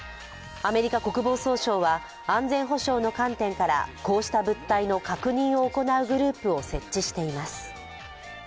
アメリカ国防総省は安全保障の観点からこうした物体の確認を行うグループを設置しています。